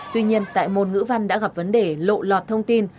tuy nhiên tại môn ngữ văn đã gặp vấn đề lộ lọt thông tin